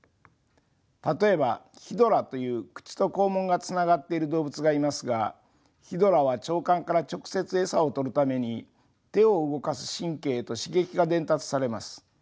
例えばヒドラという口と肛門がつながっている動物がいますがヒドラは腸管から直接餌を取るために手を動かす神経へと刺激が伝達されます。